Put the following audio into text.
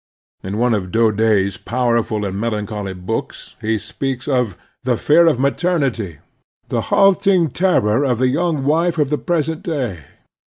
In one of Daudet's powerful and melancholy books he speaks of "the fear of maternity, the hatmting terror of the young wife of the present day."